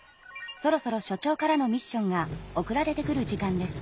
そろそろ所長からのミッションが送られてくる時間です。